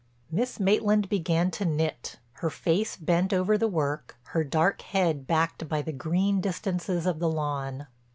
Miss Maitland began to knit, her face bent over the work, her dark head backed by the green distances of the lawn.